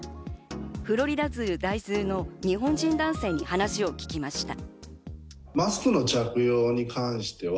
フロリダ州在住の日本人男性に話を聞きました。